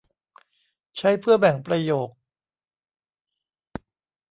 ใช้เพื่อแบ่งประโยค